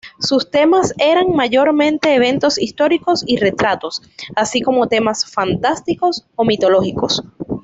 Sus temas eran mayormente eventos históricos y retratos, así como temas fantásticos o mitológicos.